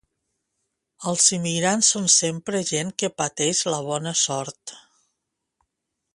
Els immigrants són sempre gent que pateix la bona sort.